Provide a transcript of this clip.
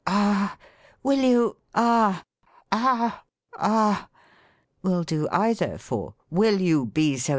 — ah !— will you ?—| ah! — ah! — ah!" will do either for "Will you be so